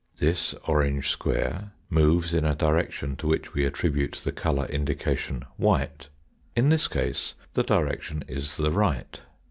This orange square moves in a direction to which we attribute the colour indication white, in this case the direction is the right.